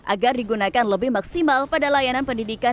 agar digunakan lebih maksimal pada layanan pendidikan